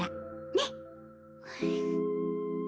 ねっ？